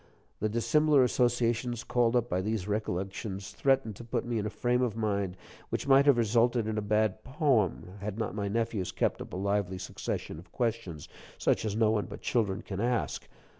The dissimilar associations called up by these recollections threatened to put me in a frame of mind which might have resulted in a bad poem, had not my nephews kept up a lively succession of questions such as no one but children can ask.